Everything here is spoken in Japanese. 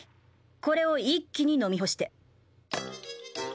これを一気に飲み干して。